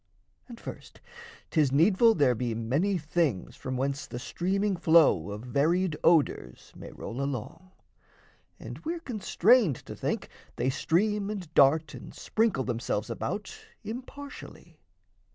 And first, 'tis needful there be many things From whence the streaming flow of varied odours May roll along, and we're constrained to think They stream and dart and sprinkle themselves about Impartially.